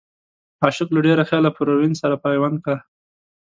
عاشق له ډېره خياله پروين سره پيوند کا